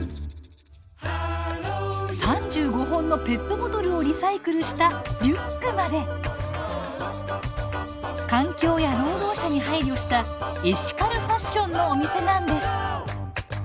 ３５本のペットボトルをリサイクルしたリュックまで環境や労働者に配慮したエシカルファッションのお店なんです。